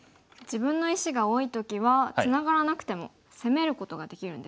自分の石が多い時はツナがらなくても攻めることができるんですね。